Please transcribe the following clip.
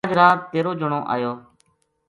اج رات تیر و جنو ایو